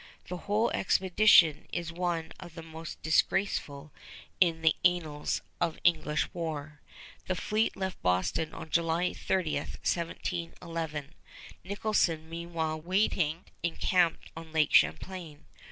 The whole expedition is one of the most disgraceful in the annals of English war. The fleet left Boston on July 30, 1711, Nicholson meanwhile waiting encamped on Lake Champlain.